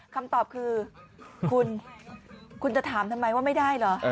คำตอบคือคุณคุณจะถามทำไมว่าไม่ได้เหรอ